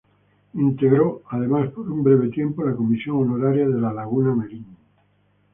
Integró además por un breve tiempo la Comisión Honoraria de la Laguna Merín.